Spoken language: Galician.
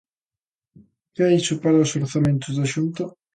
¿Que é iso para os orzamentos da Xunta?